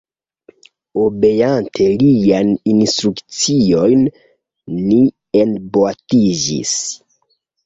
Obeante liajn instrukciojn, ni enboatiĝis.